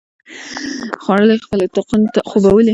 خوبولي خپلو اطاقونو ته ولاړو.